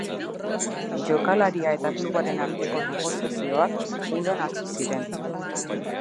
Jokalaria eta klubaren arteko negoziazioak udan hasi ziren.